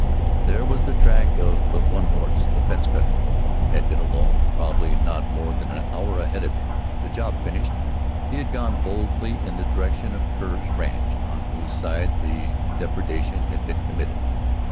There was the track of but one horse; the fence cutter had been alone, probably not more than an hour ahead of him. The job finished, he had gone boldly in the direction of Kerr's ranch, on whose side the depredation had been committed.